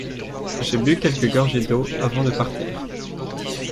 J'ai bu quelques gorgées d'eau avant de partir.